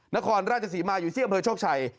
นครราชศรีมาอยู่ที่อำเภอโชคชัย